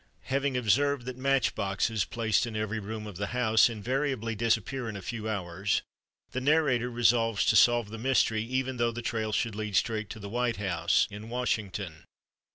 _ Having observed that Match boxes, placed in every room of the house, invariably disappear in a few hours, the narrator resolves to solve the mystery even though the trail should lead straight to the White House in Washington.